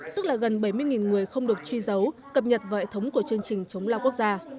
tức là gần bảy mươi người không được truy dấu cập nhật vào hệ thống của chương trình chống lao quốc gia